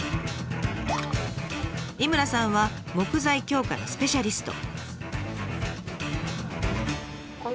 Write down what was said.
井村さんは木材強化のスペシャリスト。